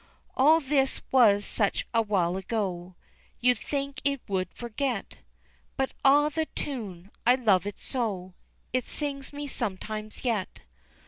All this was such awhile ago, You'd think it would forget, But ah, the tune I love it so It sings me sometimes yet.